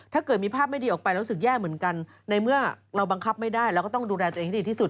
ถ้าเกิดมีภาพไม่ดีออกไปเรารู้สึกแย่เหมือนกันในเมื่อเราบังคับไม่ได้เราก็ต้องดูแลตัวเองให้ดีที่สุด